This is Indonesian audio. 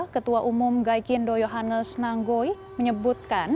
ketua umum gaikindo yohannes nanggoy menyebutkan